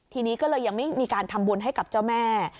ทีนี้ก็เลยยังไม่มีการทำบุญให้กับเจ้าแม่